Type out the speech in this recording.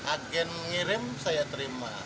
agen ngirim saya terima